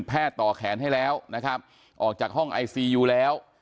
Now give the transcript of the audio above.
ต่อแขนให้แล้วนะครับออกจากห้องไอซียูแล้ว